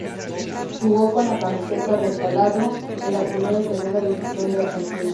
Jugó con la camiseta del "Taladro" en la Primera y Segunda división de Argentina.